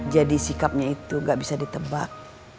jadi sikapnya itu gak bisa ditebak